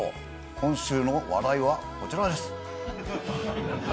今週の話題はこちらです。